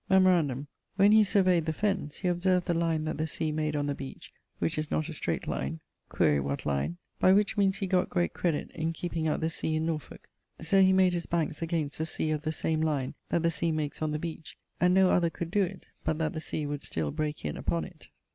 ☞ Memorandum: when he surveyed the fennes, he observed the line that the sea made on the beach, which is not a streight line (quaere what line?), by which meanes he gott great credit in keeping out the sea in Norfolke; so he made his bankes against the sea of the same line that the sea makes on the beach; and no other could doe it, but that the sea would still breake in upon it.